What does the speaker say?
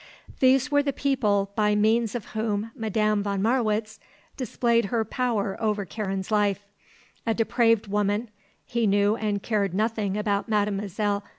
These were the people by means of whom Madame von Marwitz displayed her power over Karen's life; a depraved woman (he knew and cared nothing about Mlle.